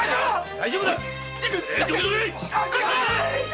大丈夫だい！